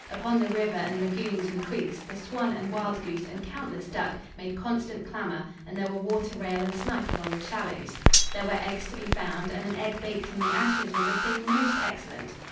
Upon the river and lagoons and creeks the swan and wild goose and countless duck made constant clamor, and there were water rail and snipe along the shallows. There were eggs to be found, and an egg baked in the ashes was a thing most excellent.